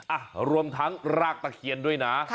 อ่ะรวมทั้งรากตะเคียนด้วยนะ